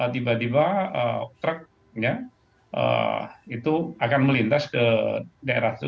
tiba tiba truknya akan melintas ke daerah itu